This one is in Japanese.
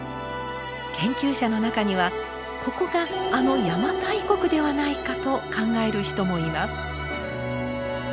研究者の中にはここがあの邪馬台国ではないかと考える人もいます。